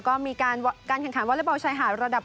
ก็มีการแข่งขันวอเล็กบอลชายหาดระดับ